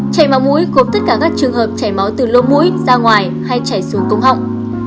chảy máu mũi gồm tất cả các trường hợp chảy máu từ lô mũi ra ngoài hay chảy xuống cống họng